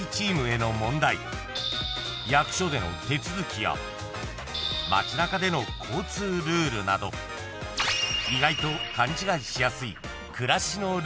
［役所での手続きや街中での交通ルールなど意外と勘違いしやすい暮らしのルール］